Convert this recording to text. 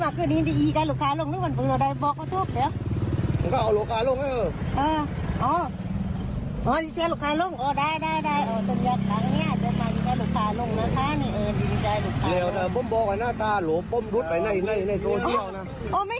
ไม่เกียวกันจังยักษ์ดังเหย์เฉยไม่ได้